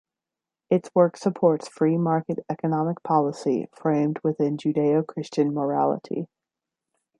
Its work supports free market economic policy framed within Judeo-Christian morality.